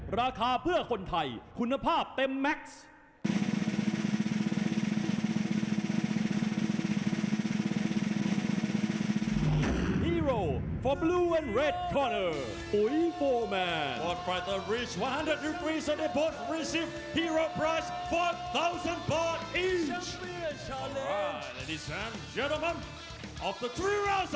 ราคาเพื่อคนไทยคุณภาพเต็มแม็กซ์